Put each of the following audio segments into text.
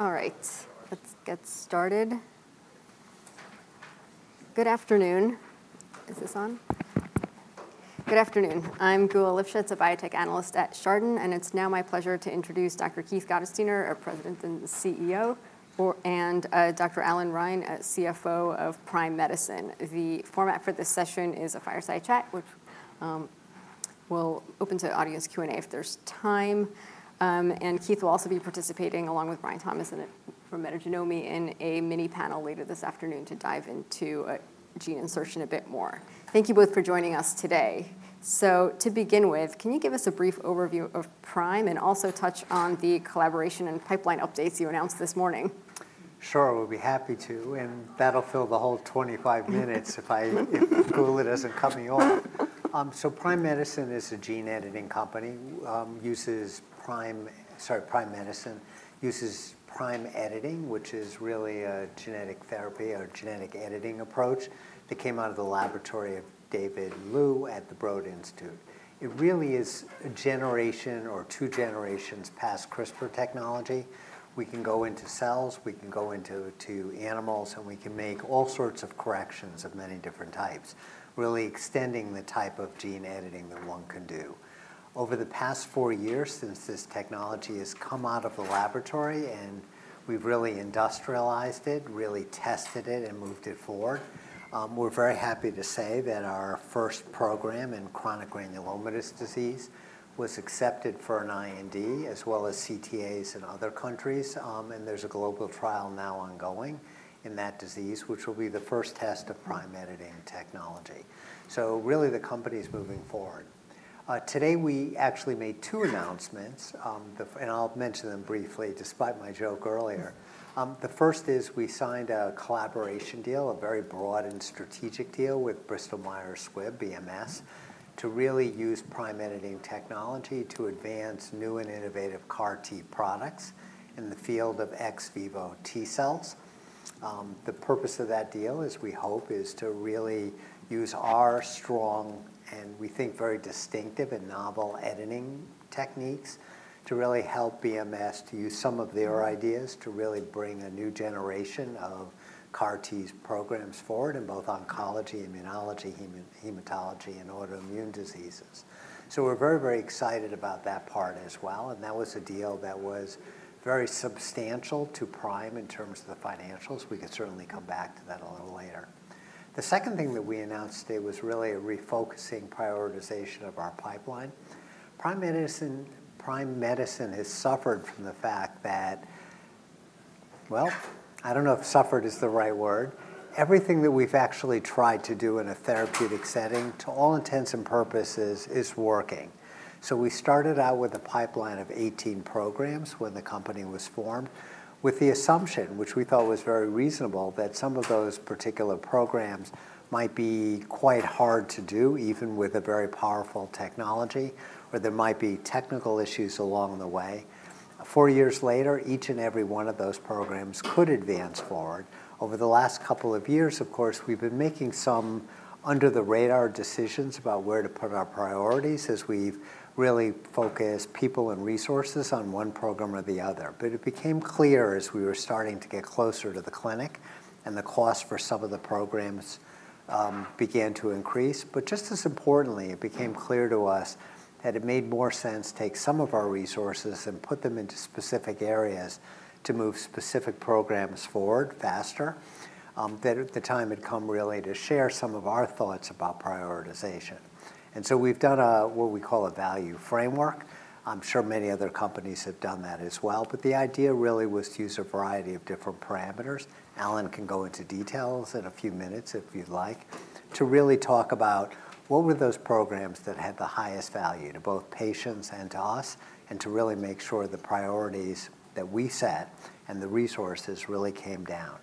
All right, let's get started. Good afternoon. Is this on? Good afternoon. I'm Geulah Livshits, a biotech analyst at Chardan, and it's now my pleasure to introduce Dr. Keith Gottesdiener, our President and CEO, and Allan Reine, CFO of Prime Medicine. The format for this session is a fireside chat, which we'll open to audience Q&A if there's time. And Keith will also be participating, along with Brian Thomas from Metagenomi, in a mini panel later this afternoon to dive into gene insertion a bit more. Thank you both for joining us today, so to begin with, can you give us a brief overview of Prime and also touch on the collaboration and pipeline updates you announced this morning? Sure, I would be happy to, and that'll fill the whole 25 minutes if Geulah doesn't cut me off. So Prime Medicine is a gene editing company, uses Prime... Sorry, Prime Medicine uses prime editing, which is really a genetic therapy or genetic editing approach that came out of the laboratory of David Liu at the Broad Institute. It really is a generation or two generations past CRISPR technology. We can go into cells, we can go into animals, and we can make all sorts of corrections of many different types, really extending the type of gene editing that one can do. Over the past four years, since this technology has come out of the laboratory and we've really industrialized it, really tested it, and moved it forward, we're very happy to say that our first program in chronic granulomatous disease was accepted for an IND, as well as CTAs in other countries, and there's a global trial now ongoing in that disease, which will be the first test of Prime editing technology. So really, the company is moving forward. Today, we actually made two announcements, and I'll mention them briefly, despite my joke earlier. The first is we signed a collaboration deal, a very broad and strategic deal with Bristol Myers Squibb, BMS, to really use Prime editing technology to advance new and innovative CAR T products in the field of ex vivo T cells. The purpose of that deal, as we hope, is to really use our strong and we think, very distinctive and novel editing techniques to really help BMS to use some of their ideas to really bring a new generation of CAR T programs forward in both oncology, immunology, hematology, and autoimmune diseases. So we're very, very excited about that part as well, and that was a deal that was very substantial to Prime in terms of the financials. We could certainly come back to that a little later. The second thing that we announced today was really a refocusing prioritization of our pipeline. Prime Medicine has suffered from the fact that... Well, I don't know if suffered is the right word. Everything that we've actually tried to do in a therapeutic setting, to all intents and purposes, is working. So we started out with a pipeline of 18 programs when the company was formed, with the assumption, which we thought was very reasonable, that some of those particular programs might be quite hard to do, even with a very powerful technology, or there might be technical issues along the way. Four years later, each and every one of those programs could advance forward. Over the last couple of years, of course, we've been making some under-the-radar decisions about where to put our priorities as we've really focused people and resources on one program or the other. But it became clear as we were starting to get closer to the clinic and the cost for some of the programs began to increase. But just as importantly, it became clear to us that it made more sense to take some of our resources and put them into specific areas to move specific programs forward faster, that the time had come really to share some of our thoughts about prioritization. And so we've done what we call a value framework. I'm sure many other companies have done that as well, but the idea really was to use a variety of different parameters. Allan can go into details in a few minutes, if you'd like, to really talk about what were those programs that had the highest value to both patients and to us, and to really make sure the priorities that we set and the resources really came down.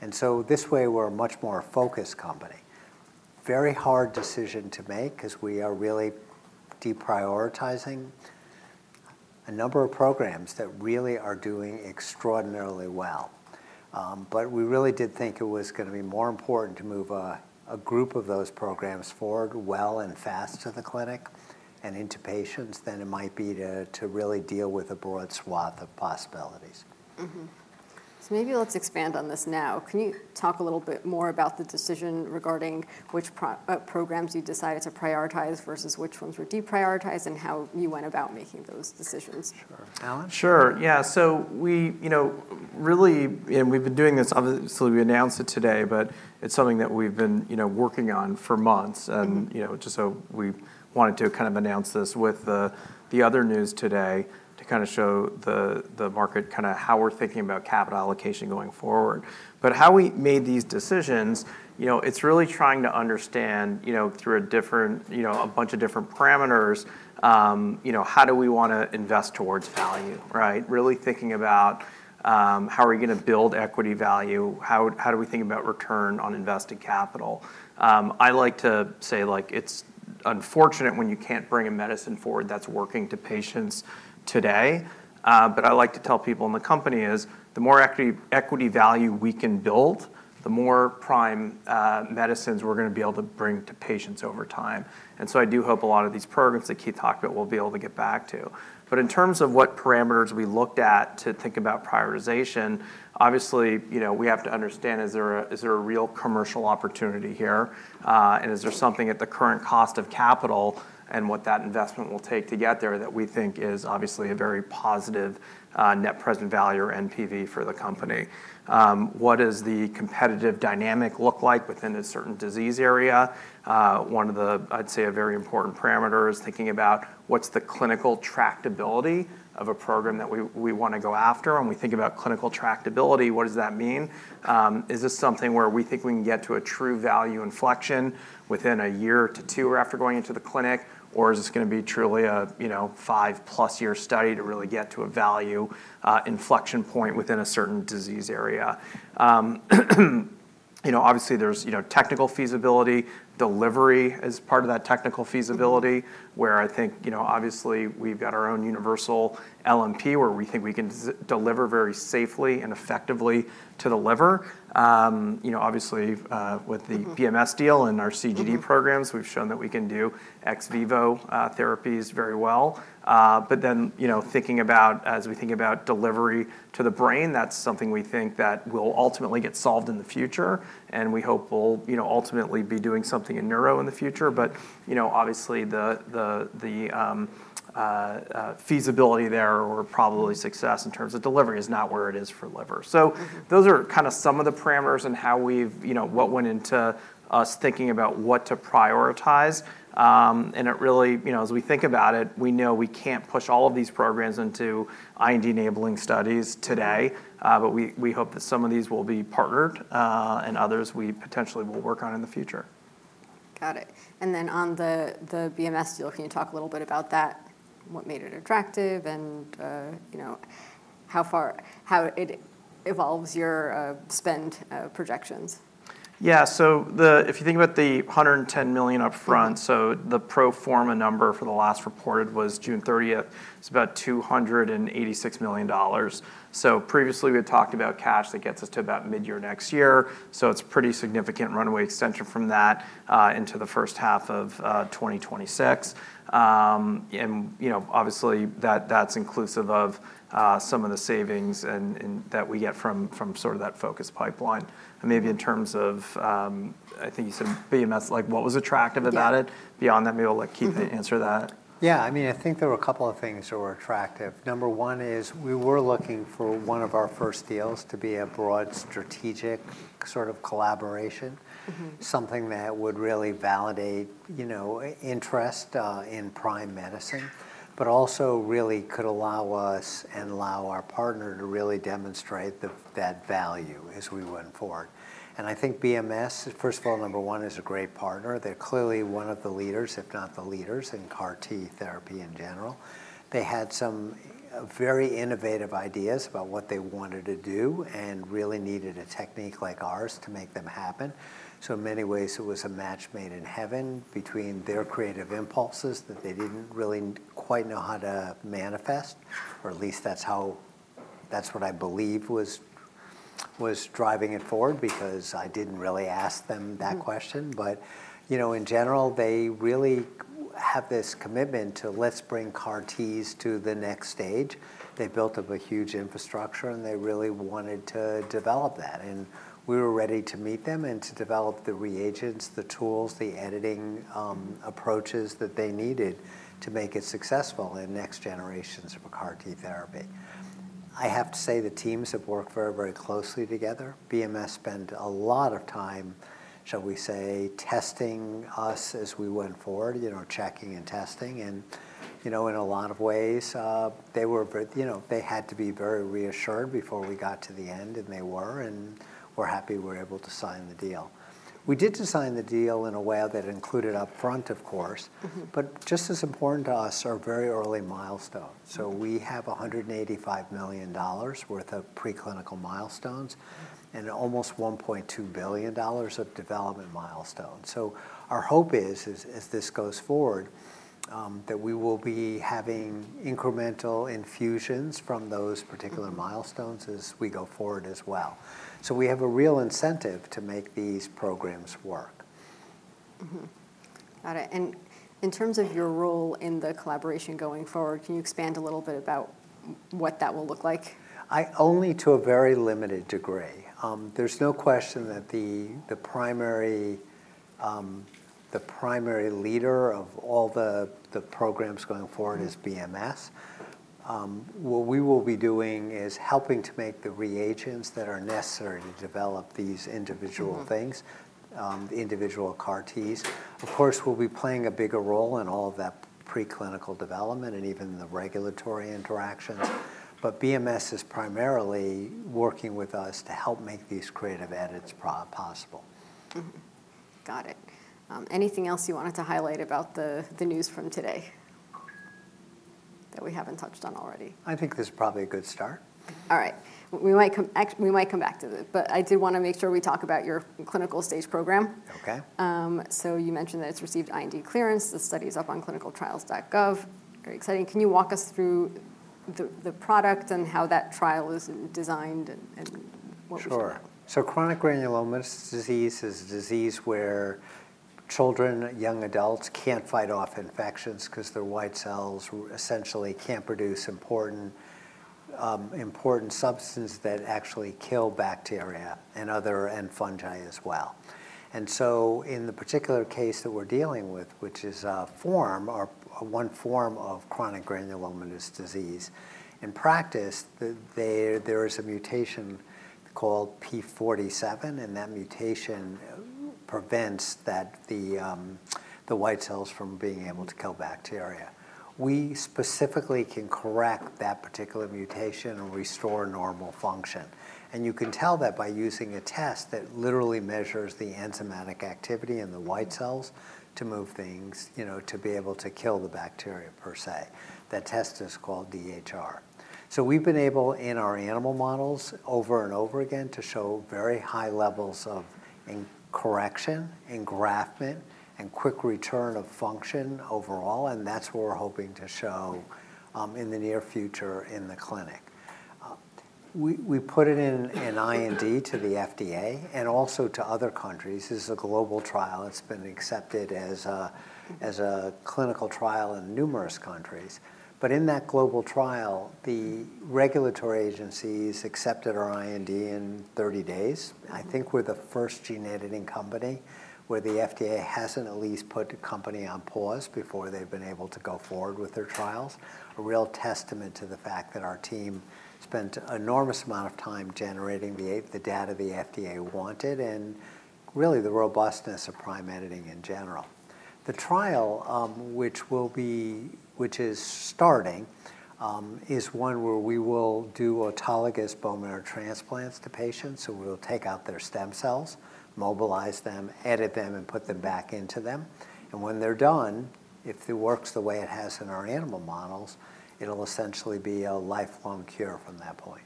And so this way, we're a much more focused company. Very hard decision to make because we are really deprioritizing a number of programs that really are doing extraordinarily well, but we really did think it was gonna be more important to move a group of those programs forward well and fast to the clinic and into patients than it might be to really deal with a broad swath of possibilities. Mm-hmm. So maybe let's expand on this now. Can you talk a little bit more about the decision regarding which programs you decided to prioritize versus which ones were deprioritized and how you went about making those decisions? Sure. Alan? Sure, yeah. So we, you know, really, and we've been doing this obviously, so we announced it today, but it's something that we've been, you know, working on for months. Mm-hmm. And, you know, just so we wanted to kind of announce this with the other news today to kind of show the market, kinda how we're thinking about capital allocation going forward. But how we made these decisions, you know, it's really trying to understand, you know, through a different, you know, a bunch of different parameters, you know, how do we wanna invest towards value, right? Really thinking about, how are we gonna build equity value, how do we think about return on invested capital? I like to say, like, it's unfortunate when you can't bring a medicine forward that's working to patients today. But I like to tell people in the company is, the more equity value we can build, the more Prime medicines we're gonna be able to bring to patients over time. And so I do hope a lot of these programs that Keith talked about, we'll be able to get back to. But in terms of what parameters we looked at to think about prioritization, obviously, you know, we have to understand is there a real commercial opportunity here? And is there something at the current cost of capital and what that investment will take to get there that we think is obviously a very positive net present value or NPV for the company? What is the competitive dynamic look like within a certain disease area? One of the, I'd say, a very important parameter is thinking about what's the clinical tractability of a program that we wanna go after. When we think about clinical tractability, what does that mean? Is this something where we think we can get to a true value inflection within one to two or after going into the clinic? Or is this gonna be truly a, you know, five-plus-year study to really get to a value inflection point within a certain disease area? You know, obviously, there's, you know, technical feasibility, delivery as part of that technical feasibility, where I think, you know, obviously, we've got our own universal LNP, where we think we can deliver very safely and effectively to the liver. You know, obviously, with the BMS deal and our CGD programs, we've shown that we can do ex vivo therapies very well. But then, you know, thinking about as we think about delivery to the brain, that's something we think that will ultimately get solved in the future, and we hope we'll, you know, ultimately be doing something in neuro in the future. But, you know, obviously, the feasibility there, or probably success in terms of delivery, is not where it is for liver, so those are kind of some of the parameters and how we've, you know, what went into our thinking about what to prioritize, and it really, you know, as we think about it, we know we can't push all of these programs into IND-enabling studies today, but we hope that some of these will be partnered, and others we potentially will work on in the future. Got it, and then on the BMS deal, can you talk a little bit about that? What made it attractive, and you know, how it evolves your spend projections? Yeah, so if you think about the $110 million upfront, so the pro forma number for the last reported was June thirtieth. It's about $286 million. So previously, we had talked about cash that gets us to about mid-year next year, so it's pretty significant runway extension from that into the first half of 2026. And you know, obviously, that's inclusive of some of the savings and that we get from sort of that focus pipeline. And maybe in terms of, I think you said BMS, like, what was attractive about it. Yeah. Beyond that, maybe I'll let Keith answer that. Yeah, I mean, I think there were a couple of things that were attractive. Number one is we were looking for one of our first deals to be a broad, strategic sort of collaboration. Mm-hmm. Something that would really validate, you know, interest in Prime Medicine, but also really could allow us and allow our partner to really demonstrate the, that value as we went forward. I think BMS, first of all, number one, is a great partner. They're clearly one of the leaders, if not the leaders, in CAR T therapy in general. They had some very innovative ideas about what they wanted to do and really needed a technique like ours to make them happen. In many ways, it was a match made in heaven between their creative impulses that they didn't really quite know how to manifest, or at least that's how, that's what I believe was driving it forward, because I didn't really ask them that question. Mm-hmm. But, you know, in general, they really have this commitment to let's bring CAR Ts to the next stage. They built up a huge infrastructure, and they really wanted to develop that, and we were ready to meet them and to develop the reagents, the tools, the editing, approaches that they needed to make it successful in next generations of a CAR T therapy. I have to say, the teams have worked very, very closely together. BMS spent a lot of time, shall we say, testing us as we went forward, you know, checking and testing. And, you know, in a lot of ways, they were very, you know, they had to be very reassured before we got to the end, and they were, and we're happy we're able to sign the deal. We did to sign the deal in a way that included upfront, of course. Mm-hmm. Just as important to us are very early milestones. Mm-hmm. We have $185 million worth of preclinical milestones- Mm-hmm. -and almost $1.2 billion of development milestones. So our hope is as this goes forward, that we will be having incremental infusions from those particular milestones- Mm-hmm. As we go forward as well. So we have a real incentive to make these programs work. Mm-hmm. Got it. And in terms of your role in the collaboration going forward, can you expand a little bit about what that will look like? Only to a very limited degree. There's no question that the primary leader of all the programs going forward is BMS. Mm-hmm. What we will be doing is helping to make the reagents that are necessary to develop these individual things- Mm-hmm. the individual CAR Ts. Of course, we'll be playing a bigger role in all of that preclinical development and even the regulatory interactions, but BMS is primarily working with us to help make these creative edits possible. Mm-hmm. Got it. Anything else you wanted to highlight about the news from today? ... that we haven't touched on already? I think this is probably a good start. All right. We might come back to this, but I did wanna make sure we talk about your clinical stage program. Okay. So you mentioned that it's received IND clearance. The study's up on clinicaltrials.gov. Very exciting. Can you walk us through the product and how that trial is designed and what we see there? Sure. So chronic granulomatous disease is a disease where children, young adults, can't fight off infections 'cause their white cells essentially can't produce important substance that actually kill bacteria and other... and fungi as well, and so in the particular case that we're dealing with, which is a form or one form of chronic granulomatous disease, in practice, there is a mutation called P47, and that mutation prevents the white cells from being able to kill bacteria. We specifically can correct that particular mutation and restore normal function, and you can tell that by using a test that literally measures the enzymatic activity in the white cells to move things, you know, to be able to kill the bacteria per se. That test is called DHR. We've been able, in our animal models, over and over again, to show very high levels of correction, engraftment, and quick return of function overall, and that's what we're hoping to show in the near future in the clinic. We put it in an IND to the FDA and also to other countries. This is a global trial. It's been accepted as a clinical trial in numerous countries, but in that global trial, the regulatory agencies accepted our IND in 30 days. I think we're the first gene-editing company where the FDA hasn't at least put a company on pause before they've been able to go forward with their trials. A real testament to the fact that our team spent enormous amount of time generating the data the FDA wanted, and really, the robustness of prime editing in general. The trial, which is starting, is one where we will do autologous bone marrow transplants to patients, who will take out their stem cells, mobilize them, edit them, and put them back into them, and when they're done, if it works the way it has in our animal models, it'll essentially be a lifelong cure from that point.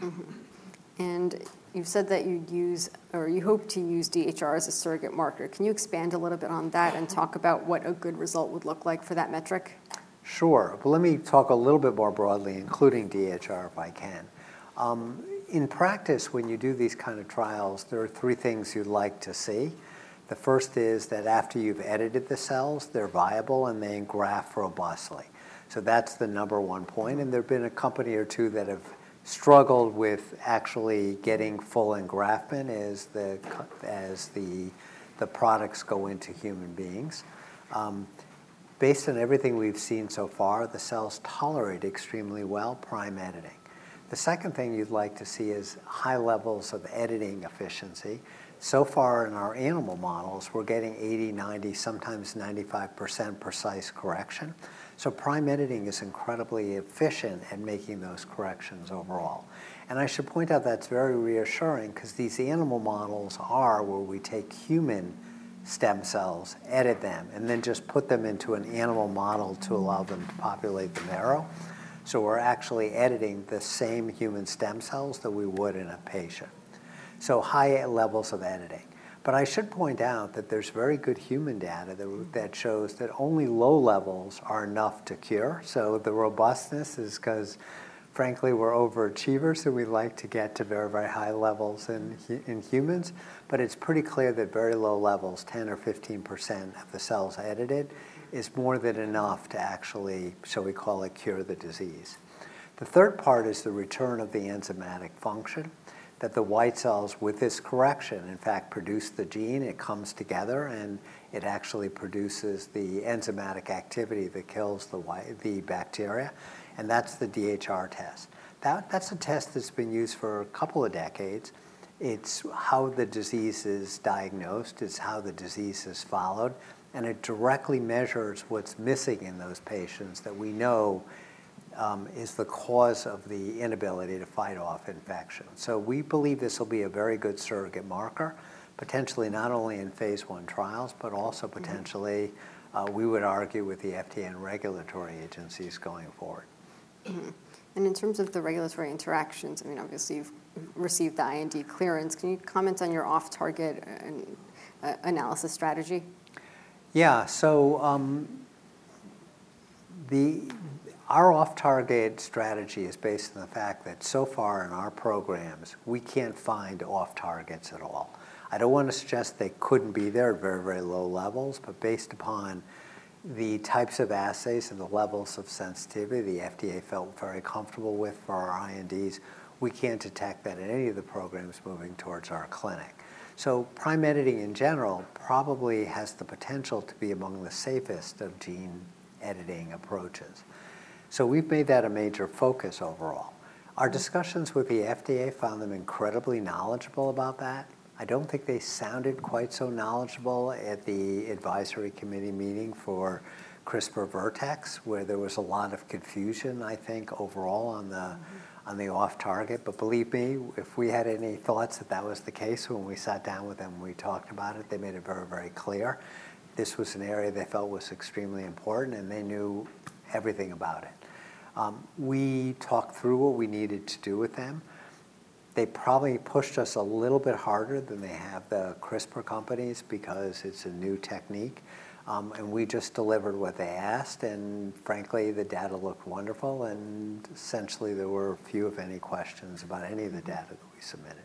Mm-hmm. And you've said that you'd use or you hope to use DHR as a surrogate marker. Can you expand a little bit on that and talk about what a good result would look like for that metric? Sure. Well, let me talk a little bit more broadly, including DHR, if I can. In practice, when you do these kind of trials, there are three things you'd like to see. The first is that after you've edited the cells, they're viable, and they engraft robustly. So that's the number one point, and there have been a company or two that have struggled with actually getting full engraftment as the products go into human beings. Based on everything we've seen so far, the cells tolerate extremely well prime editing. The second thing you'd like to see is high levels of editing efficiency. So far in our animal models, we're getting 80%, 90%, sometimes 95% precise correction. So prime editing is incredibly efficient in making those corrections overall. And I should point out that's very reassuring 'cause these animal models are where we take human stem cells, edit them, and then just put them into an animal model to allow them to populate the marrow. So we're actually editing the same human stem cells that we would in a patient. So high levels of editing. But I should point out that there's very good human data that shows that only low levels are enough to cure. So the robustness is 'cause, frankly, we're overachievers, so we like to get to very, very high levels in humans, but it's pretty clear that very low levels, 10% or 15% of the cells edited, is more than enough to actually, shall we call it, cure the disease. The third part is the return of the enzymatic function, that the white cells with this correction, in fact, produce the gene, it comes together, and it actually produces the enzymatic activity that kills the bacteria, and that's the DHR test. That, that's a test that's been used for a couple of decades. It's how the disease is diagnosed, it's how the disease is followed, and it directly measures what's missing in those patients that we know is the cause of the inability to fight off infection. So we believe this will be a very good surrogate marker, potentially not only in phase I trials, but also potentially- Mm... we would argue with the FDA and regulatory agencies going forward. Mm-hmm. And in terms of the regulatory interactions, I mean, obviously, you've received the IND clearance. Can you comment on your off-target analysis strategy? Yeah, so, our off-target strategy is based on the fact that so far in our programs, we can't find off-targets at all. I don't want to suggest they couldn't be there at very, very low levels, but based upon the types of assays and the levels of sensitivity the FDA felt very comfortable with for our INDs, we can't detect that in any of the programs moving towards our clinic. So prime editing, in general, probably has the potential to be among the safest of gene-editing approaches. So we've made that a major focus overall. Our discussions with the FDA found them incredibly knowledgeable about that. I don't think they sounded quite so knowledgeable at the advisory committee meeting for CRISPR Vertex, where there was a lot of confusion, I think, overall on the- Mm... on the off-target. But believe me, if we had any thoughts that that was the case, when we sat down with them, we talked about it, they made it very, very clear. This was an area they felt was extremely important, and they knew everything about it. We talked through what we needed to do with them. They probably pushed us a little bit harder than they have the CRISPR companies because it's a new technique, and we just delivered what they asked, and frankly, the data looked wonderful, and essentially there were few, if any, questions about any of the data that we submitted.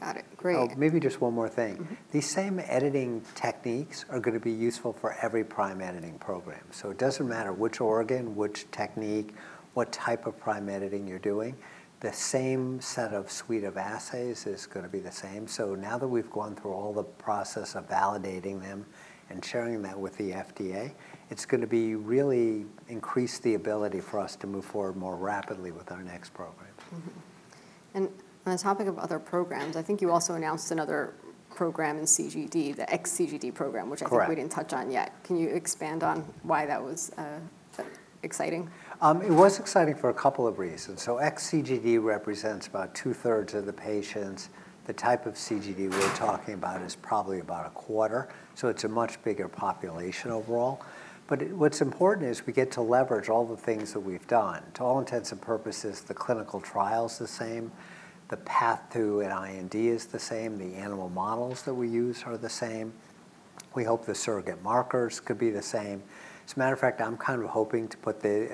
Got it. Great. Oh, maybe just one more thing. Mm-hmm. These same editing techniques are gonna be useful for every prime editing program. So it doesn't matter which organ, which technique, what type of prime editing you're doing, the same set of suite of assays is gonna be the same. So now that we've gone through all the process of validating them and sharing that with the FDA, it's gonna be really increase the ability for us to move forward more rapidly with our next programs. Mm-hmm. And on the topic of other programs, I think you also announced another program in CGD, the X-CGD program- Correct. -which I think we didn't touch on yet. Can you expand on why that was, exciting? It was exciting for a couple of reasons. So X-CGD represents about two-thirds of the patients. The type of CGD we're talking about is probably about a quarter, so it's a much bigger population overall. But what's important is we get to leverage all the things that we've done. To all intents and purposes, the clinical trial's the same, the path to an IND is the same, the animal models that we use are the same. We hope the surrogate markers could be the same. As a matter of fact, I'm kind of hoping to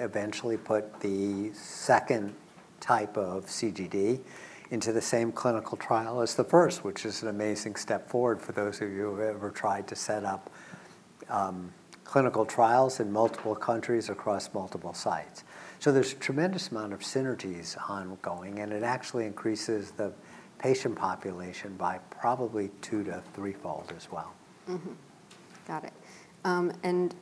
eventually put the second type of CGD into the same clinical trial as the first, which is an amazing step forward for those of you who have ever tried to set up clinical trials in multiple countries across multiple sites. So there's a tremendous amount of synergies ongoing, and it actually increases the patient population by probably two to three-fold as well. Mm-hmm. Got it. And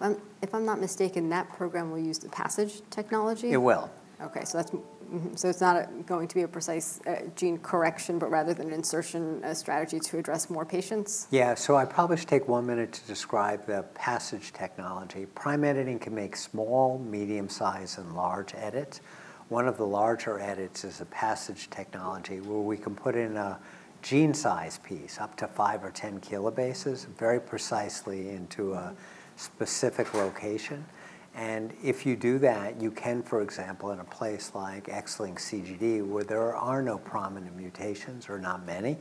if I'm not mistaken, that program will use the PASSIGE technology? It will. Okay, so that's... Mm-hmm, so it's not going to be a precise, gene correction, but rather than an insertion, a strategy to address more patients? Yeah, so I probably should take one minute to describe the PASSIGE technology. Prime editing can make small, medium size, and large edits. One of the larger edits is a PASSIGE technology, where we can put in a gene-size piece, up to five or 10 kilobases, very precisely into a specific location, and if you do that, you can, for example, in a place like X-linked CGD, where there are no prominent mutations or not many,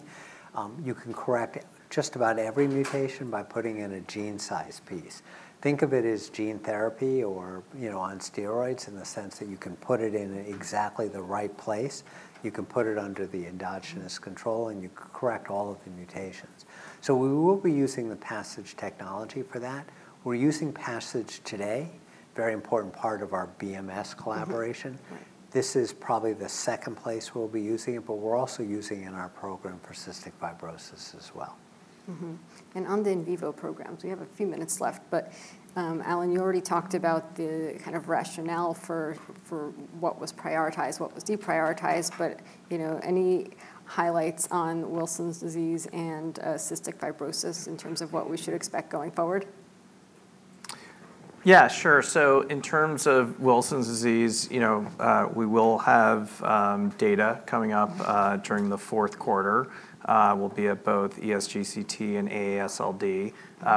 you can correct just about every mutation by putting in a gene-size piece. Think of it as gene therapy or, you know, on steroids, in the sense that you can put it in exactly the right place. You can put it under the endogenous control, and you can correct all of the mutations, so we will be using the PASSIGE technology for that. We're using PASSIGE today, very important part of our BMS collaboration. Mm-hmm. Right. This is probably the second place we'll be using it, but we're also using it in our program for cystic fibrosis as well. Mm-hmm. And on the in vivo programs, we have a few minutes left, but, Allan, you already talked about the kind of rationale for what was prioritized, what was deprioritized. But, you know, any highlights on Wilson’s disease and cystic fibrosis in terms of what we should expect going forward? Yeah, sure, so in terms of Wilson's disease, you know, we will have data coming up during the fourth quarter. We'll be at both ESGCT and AASLD.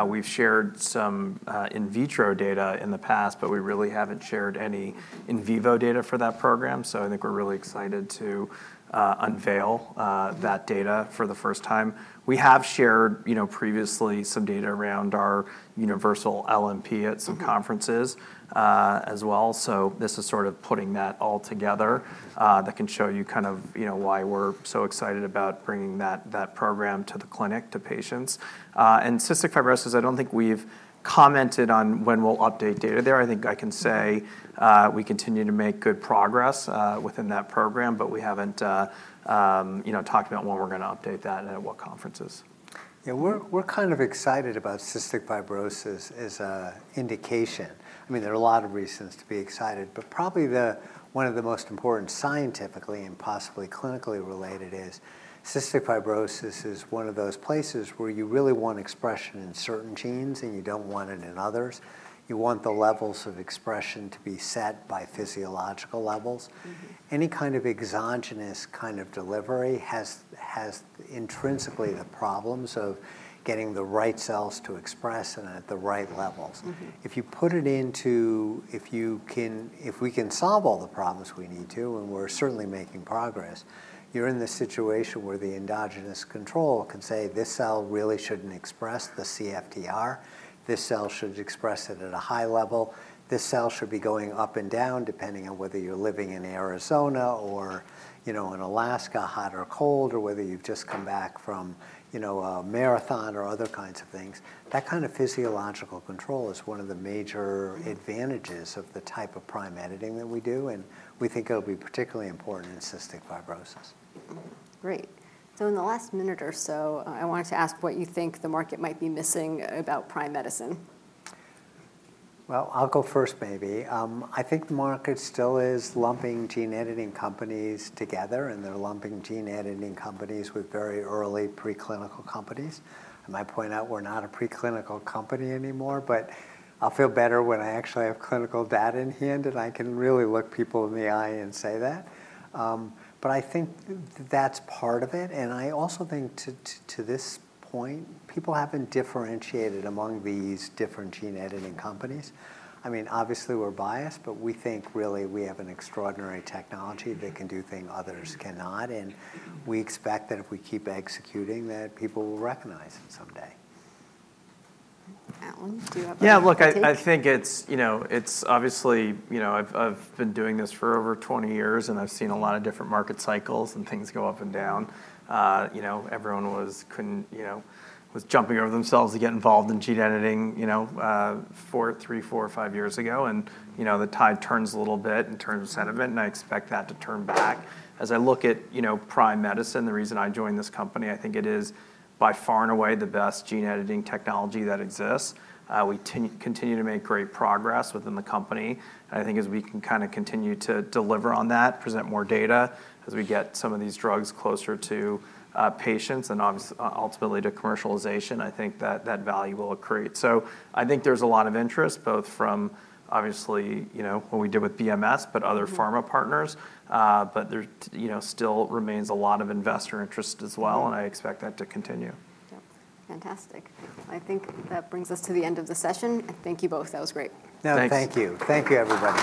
We've shared some in vitro data in the past, but we really haven't shared any in vivo data for that program, so I think we're really excited to unveil that data for the first time. We have shared, you know, previously, some data around our universal LNP at some conferences- Mm-hmm. As well, so this is sort of putting that all together that can show you kind of, you know, why we're so excited about bringing that program to the clinic, to patients, and cystic fibrosis, I don't think we've commented on when we'll update data there. I think I can say we continue to make good progress within that program, but we haven't, you know, talked about when we're gonna update that and at what conferences. Yeah, we're kind of excited about cystic fibrosis as an indication. I mean, there are a lot of reasons to be excited, but probably the one of the most important scientifically and possibly clinically related is cystic fibrosis is one of those places where you really want expression in certain genes, and you don't want it in others. You want the levels of expression to be set by physiological levels. Mm-hmm. Any kind of exogenous delivery has intrinsically the problems of getting the right cells to express and at the right levels. Mm-hmm. If we can solve all the problems we need to, and we're certainly making progress, you're in the situation where the endogenous control can say, "This cell really shouldn't express the CFTR. This cell should express it at a high level. This cell should be going up and down, depending on whether you're living in Arizona or, you know, in Alaska, hot or cold, or whether you've just come back from, you know, a marathon or other kinds of things." That kind of physiological control is one of the major advantages. Mm-hmm... of the type of prime editing that we do, and we think it'll be particularly important in cystic fibrosis. Mm-hmm. Great. So in the last minute or so, I wanted to ask what you think the market might be missing about Prime Medicine? I'll go first, maybe. I think the market still is lumping gene editing companies together, and they're lumping gene editing companies with very early preclinical companies. I might point out we're not a preclinical company anymore, but I'll feel better when I actually have clinical data in hand, and I can really look people in the eye and say that, but I think that's part of it, and I also think to this point, people haven't differentiated among these different gene-editing companies. I mean, obviously, we're biased, but we think really we have an extraordinary technology that can do things others cannot, and we expect that if we keep executing, that people will recognize it someday. Allan, do you have anything to add? Yeah, look, I think it's, you know, it's obviously, you know, I've been doing this for over twenty years, and I've seen a lot of different market cycles, and things go up and down. You know, everyone was jumping over themselves to get involved in gene editing, you know, three, four, or five years ago, and, you know, the tide turns a little bit in terms of sentiment, and I expect that to turn back. As I look at, you know, Prime Medicine, the reason I joined this company, I think it is by far and away the best gene-editing technology that exists. We continue to make great progress within the company. I think as we can kind of continue to deliver on that, present more data, as we get some of these drugs closer to patients, and obviously ultimately to commercialization, I think that that value will accrete. So I think there's a lot of interest, both from obviously you know what we did with BMS- Mm-hmm... but other pharma partners, but there, you know, still remains a lot of investor interest as well- Mm-hmm... and I expect that to continue. Yep. Fantastic. I think that brings us to the end of the session. Thank you both. That was great. No, thank you. Thanks. Thank you, everybody.